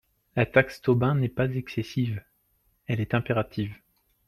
La taxe Tobin n’est pas excessive, elle est impérative.